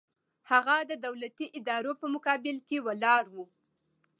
هغه د دولتي ادارو په مقابل کې ولاړ و.